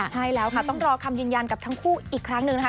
ใช่แล้วค่ะต้องรอคำยืนยันกับทั้งคู่อีกครั้งหนึ่งนะคะ